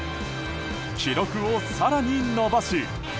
記録を更に伸ばし。